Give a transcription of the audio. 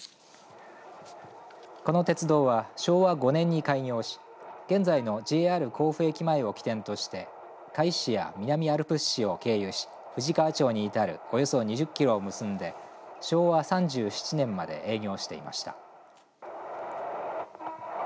この鉄道は昭和５年に開業し現在のＪＲ甲府駅前を起点として甲斐市や南アルプス市を経由し富士川町に至るおよそ２０キロを結んで昭和３７年まで営業していました。